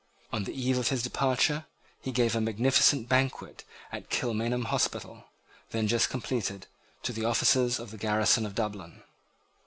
On the eve of his departure he gave a magnificent banquet at Kilmainham Hospital, then just completed, to the officers of the garrison of Dublin.